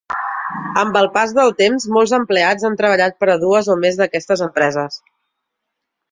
Amb el pas del temps, molts empleats han treballat per a dues o més d'aquestes empreses.